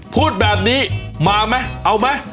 พูดแบบนี้มาไหมเอาไหม